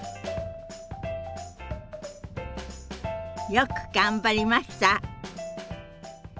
よく頑張りました。